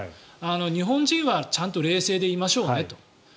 日本人はちゃんと冷静でいましょうねと。